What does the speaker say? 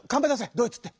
「ドイツ」って。